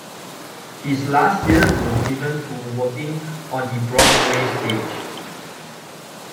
His last years were given to working on the Broadway stage.